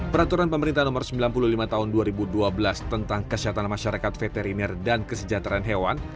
peraturan pemerintah nomor sembilan puluh lima tahun dua ribu dua belas tentang kesehatan masyarakat veteriner dan kesejahteraan hewan